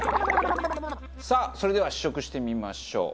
さあそれでは試食してみましょう。